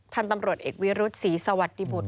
ท่านตำรวจเอกวิรุฑศรีสวัสดิบุธ